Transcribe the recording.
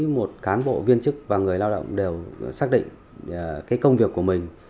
một cán bộ viên chức và người lao động đều xác định công việc của mình